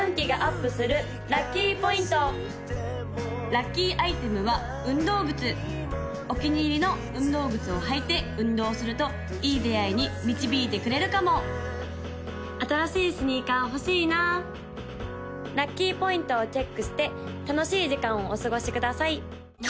・ラッキーアイテムは運動靴お気に入りの運動靴を履いて運動するといい出会いに導いてくれるかも・新しいスニーカー欲しいなラッキーポイントをチェックして楽しい時間をお過ごしください！